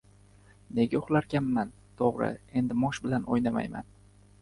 Nega uxlarkanman! To‘g‘ri, endi Mosh bilan o‘y- namayman.